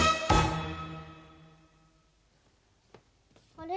あれ？